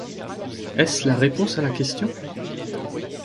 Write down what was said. Est-ce la réponse à la question?